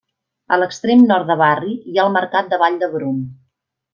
A l'extrem nord de barri hi ha el Mercat de Vall d'Hebron.